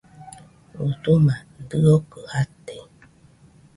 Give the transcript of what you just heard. Usuma dɨokɨ jate.